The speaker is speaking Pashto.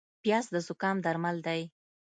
پیاز د زکام درمل دی